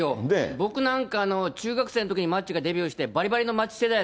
僕なんか、中学生のときにマッチがデビューして、ばりばりのまっちせだい